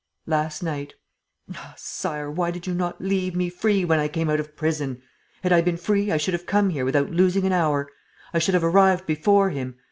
"Last night. Ah, Sire, why did you not leave me free when I came out of prison! Had I been free, I should have come here without losing an hour. I should have arrived before him!